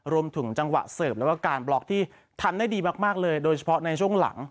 รวมถึงจังหวะเสิร์ฟแล้วก็การบล็อกที่ทำได้ดีมากเลยโดยเฉพาะในช่วงหลัง